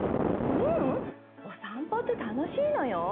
ううんお散歩って楽しいのよ。